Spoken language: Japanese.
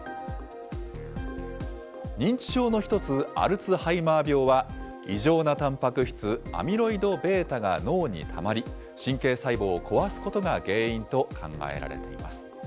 認知症の一つ、アルツハイマー病は、異常なたんぱく質、アミロイドβが脳にたまり、神経細胞を壊すことが原因と考えられています。